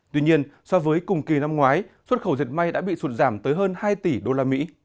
tuy nhiên so với cùng kỳ năm ngoái xuất khẩu dệt may đã bị sụt giảm tới hơn hai tỷ usd